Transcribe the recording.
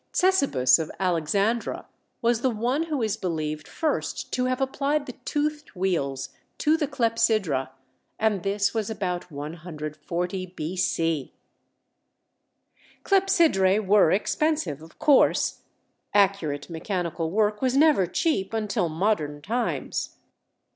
Ctesibus of Alexandra was the one who is believed first to have applied the toothed wheels to the clepsydra and this was about 140 B. C. Clepsydrae were expensive of course; accurate mechanical work was never cheap until modern times.